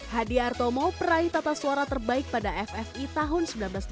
hadi artomo peraih tata suara terbaik pada ffi tahun seribu sembilan ratus delapan puluh